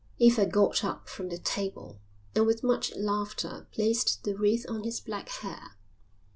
Eva got up from the table and with much laughter placed the wreath on his black hair.